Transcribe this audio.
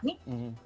ini hal yang aneh